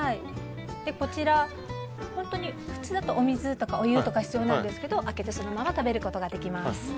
こちら、普通だとお水とかお湯が必要なんですけど開けてそのまま食べることができます。